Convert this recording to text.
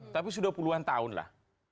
tapi sudah puluhan tahun lah